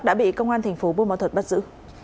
đã bị công an tp buôn mão thuật bắt giữ